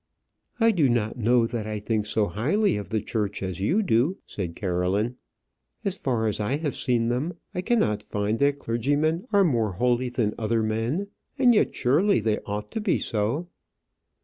"I do not know that I think so highly of the church as you do," said Caroline. "As far as I have seen them, I cannot find that clergymen are more holy than other men; and yet surely they ought to be so."